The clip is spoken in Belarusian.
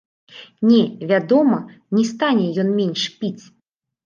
Не, вядома, не стане ён менш піць.